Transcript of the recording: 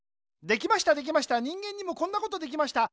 できましたできました人間にもこんなことできました。